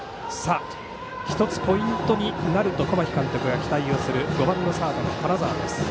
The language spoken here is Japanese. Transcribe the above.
１つ、ポイントになると小牧監督が期待を寄せる５番のサードの金沢です。